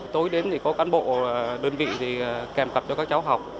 tối đến thì có cán bộ đơn vị thì kèm tập cho các cháu học